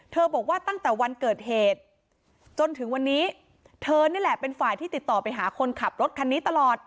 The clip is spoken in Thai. บอกว่าตั้งแต่วันเกิดเหตุจนถึงวันนี้เธอนี่แหละเป็นฝ่ายที่ติดต่อไปหาคนขับรถคันนี้ตลอด